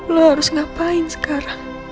lo harus ngapain sekarang